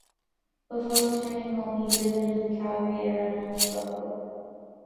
Before returning home, he visited the Calgary area and hunted buffalo.